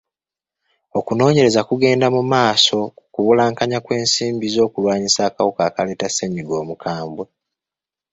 Okunoonyereza kugenda mu maaso ku kubulankanya kw'ensimbi z'okulwanyisa akawuka akaleeta ssenyiga omukambwe.